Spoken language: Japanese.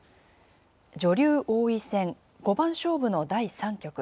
女流王位戦、五番勝負の第３局。